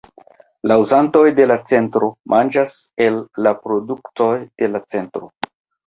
La uzantoj de la centro manĝas el la produktoj de la centro.